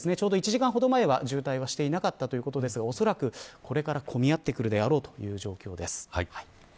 １時間ほど前は渋滞はしていなかったということですがおそらくこれから混み合ってくるだろうという状況です。